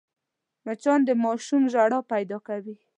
مچان د ماشوم ژړا پیدا کوي